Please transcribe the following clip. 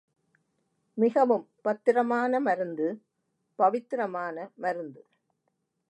மிகவும் பத்திரமான மருந்து, பவித்தரமான மருந்து.